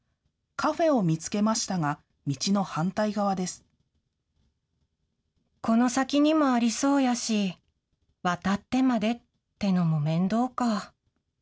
カフェを見つけましたが、道の反この先にもありそうやし、渡ってまでってのも面倒か。